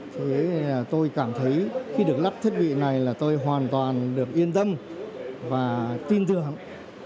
thế tôi cảm thấy khi được lắp thiết bị này là tôi hoàn toàn được yên tâm và tin tưởng